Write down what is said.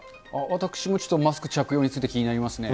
私もちょっとマスク着用について気になりますね。